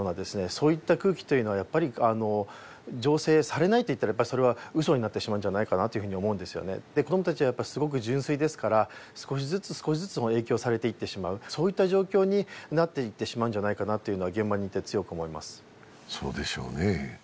そういった空気というのはやっぱりあの醸成されないといったらやっぱりそれは嘘になってしまうんじゃないかなというふうに思うんですよねで子どもたちはやっぱすごく純粋ですから少しずつ少しずつ影響されていってしまうそういった状況になっていってしまうんじゃないかなというのは現場にいて強く思いますそうでしょうねええ